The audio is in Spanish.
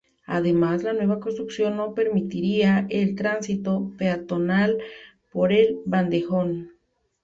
Además, la nueva construcción no permitiría el tránsito peatonal por el bandejón.